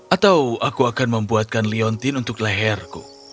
atau aku akan membuatkan liontin untuk leherku